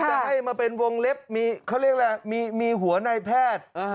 จะให้มาเป็นวงเล็บมีเขาเรียกอะไรมีหัวในแพทย์